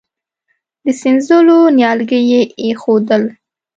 د سينځلو نيالګي يې اېښودل.